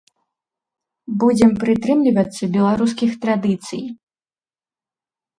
Будзем прытрымлівацца беларускіх традыцый.